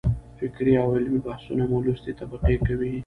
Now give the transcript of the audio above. فکري او علمي بحثونه مو لوستې طبقې کوي.